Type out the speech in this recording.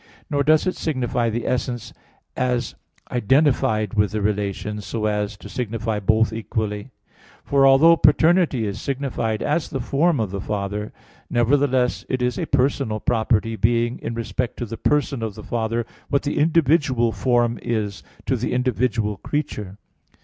Nor does it signify the essence as identified with the relation, so as to signify both equally. For although paternity is signified as the form of the Father, nevertheless it is a personal property, being in respect to the person of the Father, what the individual form is to the individual creature.